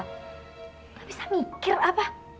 gak bisa mikir apa